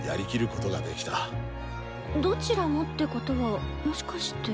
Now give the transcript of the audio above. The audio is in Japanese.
「どちらも」ってことはもしかして。